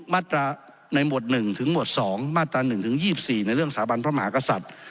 มาตราในหมวด๑ถึงหมวด๒มาตรา๑๒๔ในเรื่องสถาบันพระมหากษัตริย์